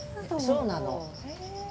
そうなの。